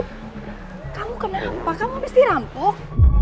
kamu kenapa kamu habis dirampok